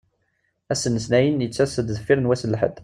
Ass n letnayen yettas-d deffir n wass n lḥedd.